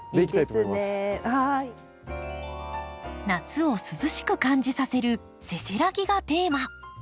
夏を涼しく感じさせる「せせらぎ」がテーマ。